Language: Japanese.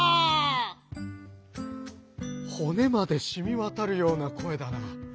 「ほねまでしみわたるようなこえだな。